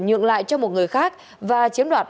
nhượng lại cho một người khác và chiếm đoạt